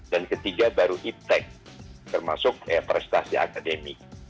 dan ketiga baru efek termasuk prestasi akademik